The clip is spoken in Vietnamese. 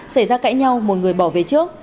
xảy ra cãi nhau một người bỏ về trước